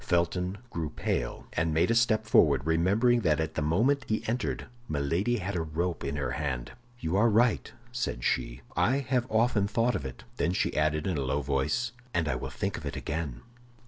Felton grew pale, and made a step forward, remembering that at the moment he entered Milady had a rope in her hand. "You are right," said she, "I have often thought of it." Then she added in a low voice, "And I will think of it again."